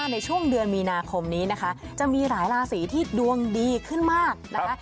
ในช่วงเดือนมีนาคมนี้นะคะจะมีหลายราศีที่ดวงดีขึ้นมากนะคะ